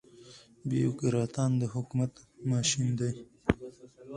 بيوکراتان د حکومت ماشين دي.